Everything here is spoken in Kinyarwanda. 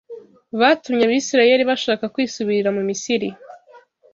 Batumye Abisirayeli bashaka kwisubirira mu Misiri.